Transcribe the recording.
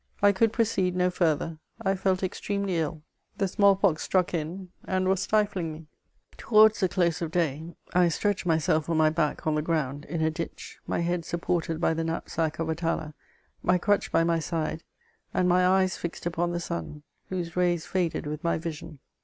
I could proceed no fru*ther ; I felt ex tremely ill ; the small pox struck in, and was stifling me. Towards the dose cf day, I stretched myself on my back on the ground, in a ditch, my head supported by the knapsack of Atala, my crutch by my side, and my eyes nxed upon the sun, whose rays faded with my vision.